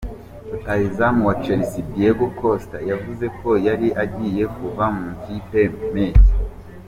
Rutahizamu wa Chelsea Diego Costa yavuze ko yari agiye kuva mu ikipe mpeshyi.